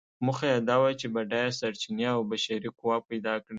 موخه یې دا وه چې بډایه سرچینې او بشري قوه پیدا کړي.